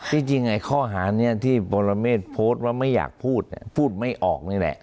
จริงไอ้ข้อหานี้ที่ปรเมฆโพสต์ว่าไม่อยากพูดพูดไม่ออกนี่แหละ